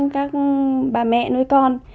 các bà mẹ nuôi con